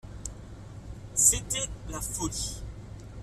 C'était la folie.